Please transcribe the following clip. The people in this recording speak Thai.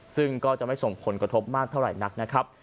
ซึ่งก็จะไม่ส่งผลกระทบมากเท่าไหร่นักนะครับ